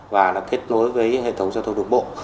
và nó kết nối với hệ thống giao thông đường bộ